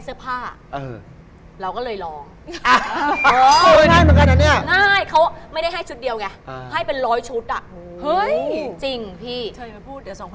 เธอยังไม่พูดเดี๋ยวสองคนนี้เค้าอยากได้ชุด